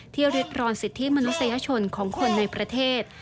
เรียกรอนสิทธิมนุษยชนของคนในประเทศ